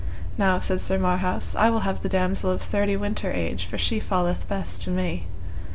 Now, said Sir Marhaus, I will have the damosel of thirty winter age, for she falleth best to me.